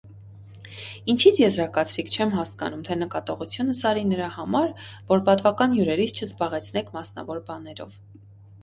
- Ինչի՞ց եզրակացրիք, չեմ հասկանում, թե նկատողությունս արի նրա համար, որ պատվական հյուրերիս չզբաղեցնեք մասնավոր բաներով: